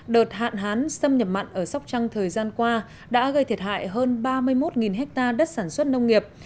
đợt hạn hán xâm nhập mặn ở sóc trăng thời gian qua đã gây thiệt hại hơn ba mươi một ha đất sản xuất nông nghiệp